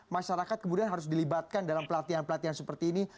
masyarakat kemudian harus dilibatkan dalam pelatihan pelatihan seperti ini